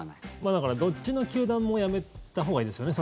だから、どっちの糾弾もやめたほうがいいですよね。